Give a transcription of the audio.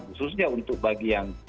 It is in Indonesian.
khususnya untuk bagi yang